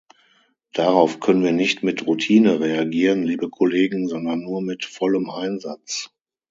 Darauf können wir nicht mit Routine reagieren, liebe Kollegen, sondern nur mit vollem Einsatz.